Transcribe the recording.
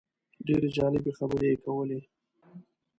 ډېرې جالبې خبرې یې کولې.